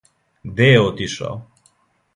Где је отишао?